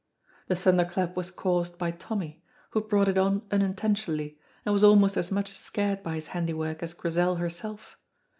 The thunderclap was caused by Tommy, who brought it on unintentionally and was almost as much scared by his handiwork as Grizel herself.